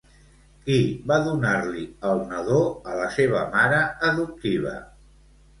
Qui va donar-li el nadó a la seva mare adoptiva?